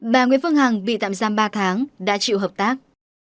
bà nguyễn phương hằng bị tạm giam ba tháng đã chịu hợp tác